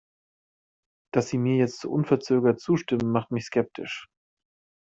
Dass sie mir jetzt so unverzögert zustimmt, macht mich skeptisch.